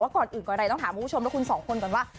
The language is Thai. ว่าก่อนอื่นก่อนใดต้องถามคุณผู้ชมแล้วคุณสองคนกันว่า